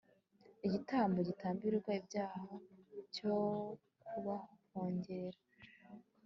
igitambo gitambirwa ibyaha cyo kubahongerera